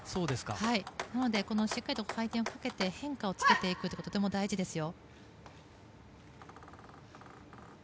なのでしっかりと回転をかけて変化をつけていくことがとても大事ですよ。